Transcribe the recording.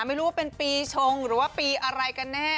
ไม่รู้ว่าเป็นปีชงหรือว่าปีอะไรกันแน่